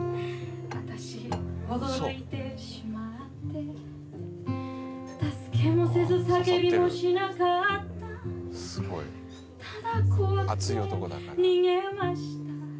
私驚いてしまって助けもせず叫びもしなかったただ恐くて逃げました